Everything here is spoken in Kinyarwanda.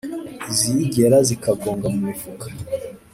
Iziyigera zikagonga mu mifuka.